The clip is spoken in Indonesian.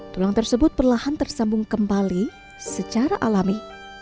tulang tersebut perlahan tersambung kembali secara alami